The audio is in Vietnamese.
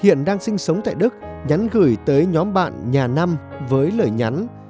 hiện đang sinh sống tại đức nhắn gửi tới nhóm bạn nhà năm với lời nhắn